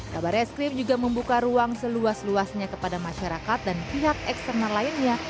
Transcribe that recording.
kabar eskrim juga membuka ruang seluas luasnya kepada masyarakat dan pihak eksternal lainnya